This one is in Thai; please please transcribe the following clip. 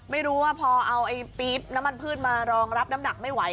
ไม่รู้ว่าพอเอาไอ้ปี๊บน้ำมันพืชมารองรับน้ำหนักไม่ไหว